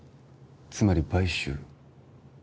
つまり買収？